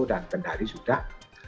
dan kendari sudah